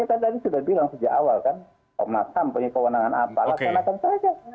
kita tadi sudah bilang sejak awal kan komnas ham punya kewenangan apa laksanakan saja